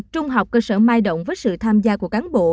trung học cơ sở mai động với sự tham gia của cán bộ